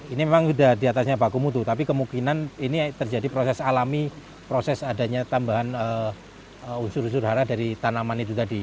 ini memang sudah diatasnya baku mutu tapi kemungkinan ini terjadi proses alami proses adanya tambahan unsur unsur hara dari tanaman itu tadi